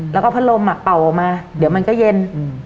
แล้วก็พัดลมเป่าออกมาเดี๋ยวมันก็เย็น